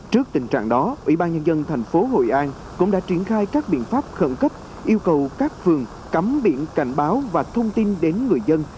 trước tình trạng đó ủy ban nhân dân thành phố hội an cũng đã triển khai các biện pháp khẩn cấp yêu cầu các phường cấm biển cảnh báo và thông tin đến người dân